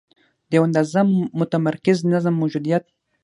د یوه اندازه متمرکز نظم موجودیت.